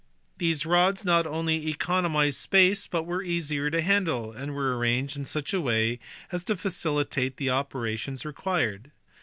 These rods not only economized space, but were easier to handle, and were arranged in such a way as to facilitate the operations required.